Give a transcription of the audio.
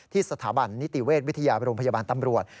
สถาบันนิติเวชวิทยาโรงพยาบาลตำรวจ